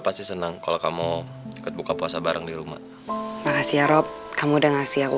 pasti senang kalau kamu ikut buka puasa bareng di rumah makasih ya rob kamu udah ngasih aku